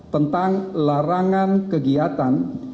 tentang larangan kegiatan